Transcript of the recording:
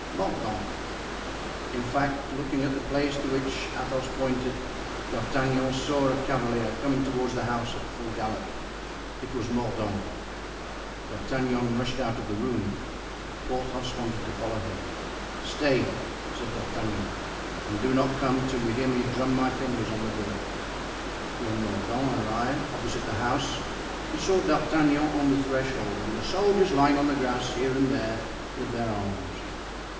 "Mordaunt." In fact, looking at the place to which Athos pointed, D'Artagnan saw a cavalier coming toward the house at full gallop. It was Mordaunt. D'Artagnan rushed out of the room. Porthos wanted to follow him. "Stay," said D'Artagnan, "and do not come till you hear me drum my fingers on the door." When Mordaunt arrived opposite the house he saw D'Artagnan on the threshold and the soldiers lying on the grass here and there, with their arms.